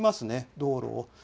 道路を。